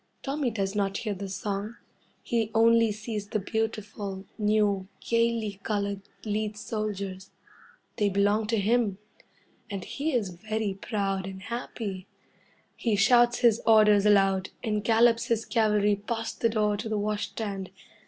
Tommy does not hear the song. He only sees the beautiful, new, gaily coloured lead soldiers. They belong to him, and he is very proud and happy. He shouts his orders aloud, and gallops his cavalry past the door to the wash stand.